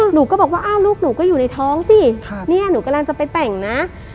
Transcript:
หนูก็บอกว่าอ้าวลูกหนูก็อยู่ในท้องสิเนี่ยหนูกำลังจะไปแต่งนะ